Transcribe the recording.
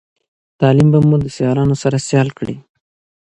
تعليم به مو د سیالانو سيال کړی